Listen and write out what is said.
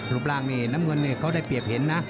รูปร่างนี่น้ำเงินเขาได้เปรียบเห็นนะ